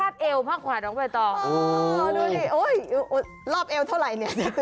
อ๋อดูซิ